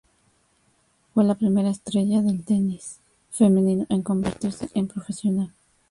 Fue la primera estrella del tenis femenino en convertirse en profesional.